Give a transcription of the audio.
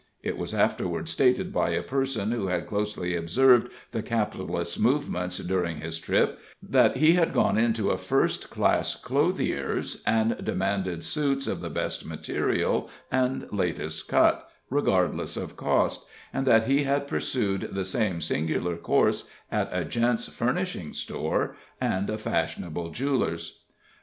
It was afterward stated by a person who had closely observed the capitalist's movements during his trip, that he had gone into a first class clothier's and demanded suits of the best material and latest cut, regardless of cost, and that he had pursued the same singular coarse at a gent's furnishing store, and a fashionable jeweler's.